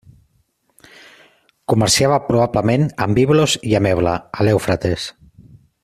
Comerciava probablement amb Biblos i amb Ebla, a l'Eufrates.